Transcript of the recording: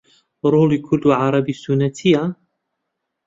ڕۆڵی کورد و عەرەبی سوننە چییە؟